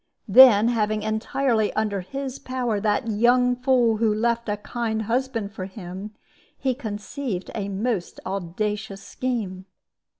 Then, having entirely under his power that young fool who left a kind husband for him, he conceived a most audacious scheme.